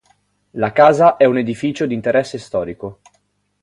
La casa è un edificio di interesse storico.